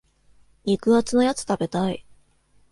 肉厚なやつ食べたい。